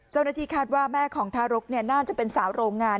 เจ้าหน้าที่คาดว่าแม่ของทารกน่าจะเป็นสาวโรงงาน